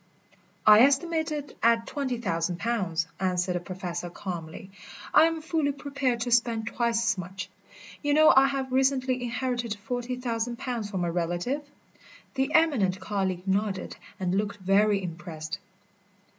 "I estimate it at twenty thousand pounds," answered the Professor calmly. "I am fully prepared to spend twice as much. You know I have recently inherited forty thousand pounds from a relative?" The eminent colleague nodded and looked very impressed.